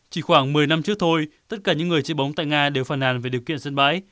chỉ khoảng một mươi năm trước thôi tất cả những người chơi bóng tại nga đều phàn hàn về điều kiện sân bãi